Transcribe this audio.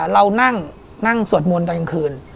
เรานั่งนั่งสวดมนตร์กลางคืน